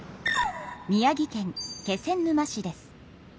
宮城県気仙沼市です。